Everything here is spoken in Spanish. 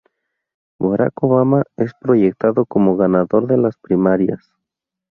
Barack Obama es proyectado como ganador de las primarias.